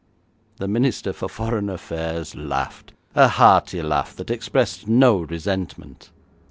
The Minister for Foreign Affairs laughed; a hearty laugh that expressed no resentment.